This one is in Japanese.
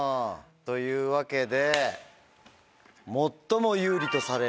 というわけで。